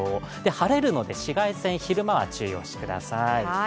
晴れるので紫外線に昼間は注意してください。